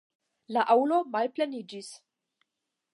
La aŭlo malpleniĝis.